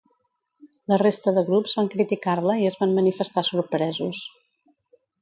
La resta de grups van criticar-la i es van manifestar sorpresos.